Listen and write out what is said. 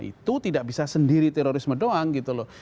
itu tidak bisa sendiri terorisme doang gitu loh